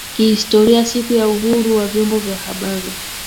Kihistoria siku ya uhuru wa vyombo vya habari